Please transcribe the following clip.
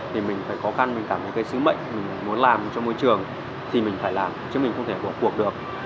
thì mình phải khó khăn mình cảm thấy cái sứ mệnh mình muốn làm cho môi trường thì mình phải làm chứ mình không thể vào cuộc được